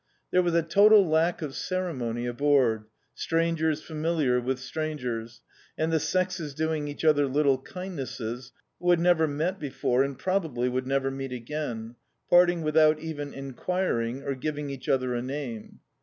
There was a total lack of ceremony aboard, stran gers familiar with strangers, and the sexes doing each other little kindnesses, who had never met be fore and probably would never meet again, parting witbout even enquiring or giving each other a name.